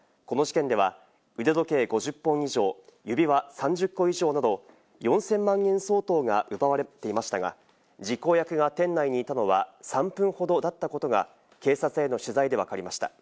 この事件では、腕時計５０本以上、指輪３０個以上など、４０００万円相当が奪われていましたが、実行役が店内にいたのは３分ほどだったことが、警察への取材でわかりました。